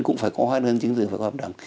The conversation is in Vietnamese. cũng phải có hợp đồng chứng từ phải có hợp đồng